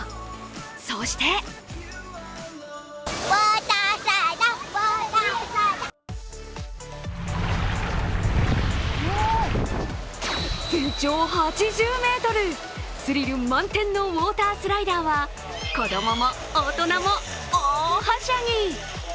そして全長８０ｍ、スリル満点のウォータースライダーは子供も大人も大はしゃぎ。